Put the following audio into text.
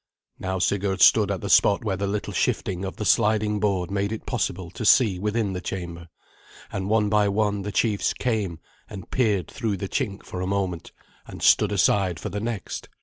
Now Sigurd stood at the spot where the little shifting of the sliding board made it possible to see within the chamber, and one by one the chiefs came and peered through the chink for a moment, and stood aside for the next.